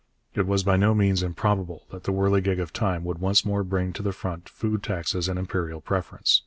It was by no means improbable that the whirligig of time would once more bring to the front food taxes and imperial preference.